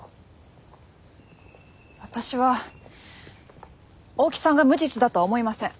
私は大木さんが無実だとは思えません。